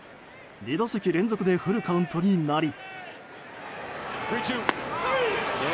２打席連続でフルカウントになり。